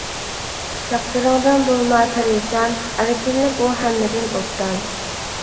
تەقدىرىڭدىن بولما پەرىشان، ئەركىنلىك ئۇ ھەممىدىن ئوبدان.